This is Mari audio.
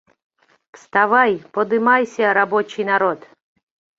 Вставай, подымайся, рабочий народ...